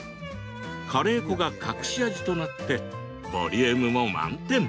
カレー粉が隠し味となってボリュームも満点。